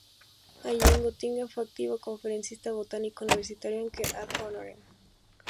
Allí en Gotinga fue activo conferencista botánico universitario, aunque "ad honorem".